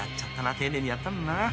丁寧にやったのにな］